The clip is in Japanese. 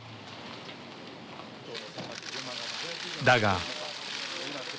だが。